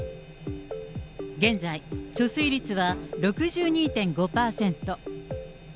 現在、貯水率は６２．５％。